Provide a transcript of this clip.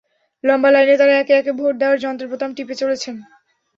লম্বা লাইনে তাঁরা একে একে ভোট দেওয়ার যন্ত্রের বোতাম টিপে চলেছেন।